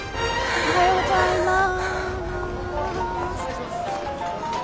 おはようございます。